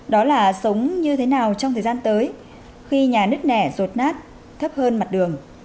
đó là sống như thế nào trong thời gian tới khi nhà nứt nẻ rột nát thấp hơn mặt đường